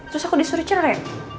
terus aku disuruh cerai